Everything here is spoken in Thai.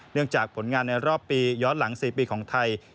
จากผลงานในรอบปีย้อนหลัง๔ปีของไทย